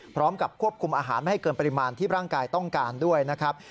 พร้อมกับควบคุมอาหารไม่ให้เกินปริมาณที่ร่างกายต้องการด้วยนะครับ